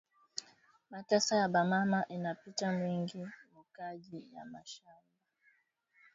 Mateso ya ba mama ina pita bwingi mu kaji ya mashamba